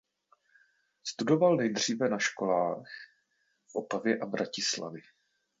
Studoval nejdříve na školách v Opavě a Vratislavi.